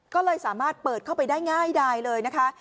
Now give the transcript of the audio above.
ก็เลยสามารถเปิดเข้าไปได้ง่ายดายเลยนะคะ